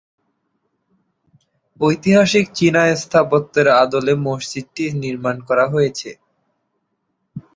ঐতিহ্যগত চীনা স্থাপত্যের আদলে মসজিদটি নির্মাণ করা হয়েছে।